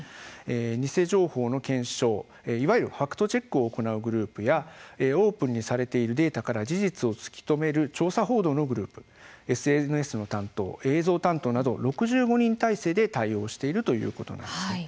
偽情報の検証、いわゆるファクトチェックを行うグループや、オープンにされているデータから事実を突き止める調査報道のグループＳＮＳの担当、映像担当など６５人体制で対応しているということです。